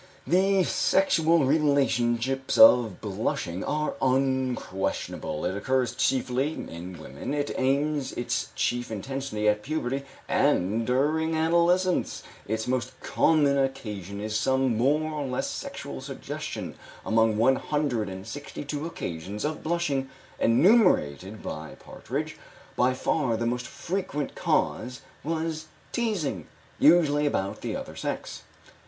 The sexual relationships of blushing are unquestionable. It occurs chiefly in women; it attains its chief intensity at puberty and during adolescence; its most common occasion is some more or less sexual suggestion; among one hundred and sixty two occasions of blushing enumerated by Partridge, by far the most frequent cause was teasing, usually about the other sex.